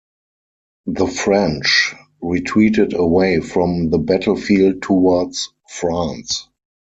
The French retreated away from the battle field towards France.